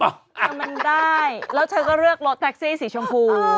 มันได้แล้วเธอก็เลือกเพลาะแต๊กซี่สีชมพู